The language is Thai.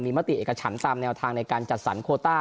มติเอกฉันตามแนวทางในการจัดสรรโคต้า